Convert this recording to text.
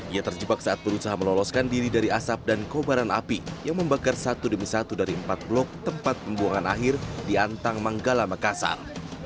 ia terjebak saat berusaha meloloskan diri dari asap dan kobaran api yang membakar satu demi satu dari empat blok tempat pembuangan akhir di antang manggala makassar